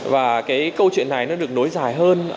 và câu chuyện này được đối dài hơn